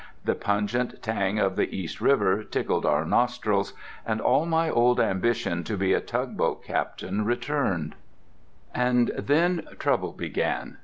The pungent tang of the East River tickled our nostrils, and all my old ambition to be a tugboat captain returned. And then trouble began.